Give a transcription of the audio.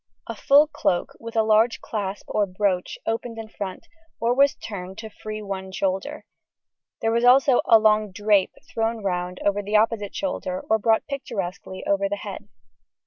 A full cloak, with a large clasp or brooch, opened in front, or was turned to free one shoulder; there was also a long "drape" thrown round over the opposite shoulder or brought picturesquely over the head.